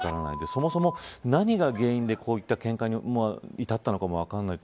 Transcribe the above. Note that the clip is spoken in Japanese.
そもそも、何が原因でこういったけんかに至ったのかも分からない。